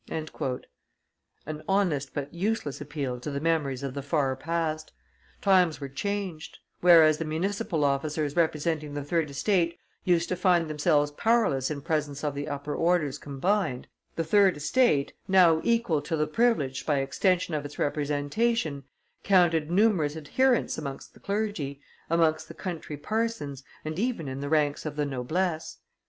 An honest but useless appeal to the memories of the far past! Times were changed; whereas the municipal officers representing the third estate used to find themselves powerless in presence of the upper orders combined, the third (estate); now equal to the privileged by extension of its representation, counted numerous adherents amongst the clergy, amongst the country parsons, and even in the ranks of the noblesse.